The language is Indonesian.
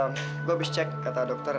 gue bisa cek kata dokter